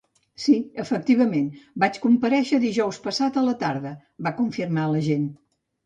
Sí, efectivament, vaig comparèixer dijous passat a la tarda, va confirmar l’agent.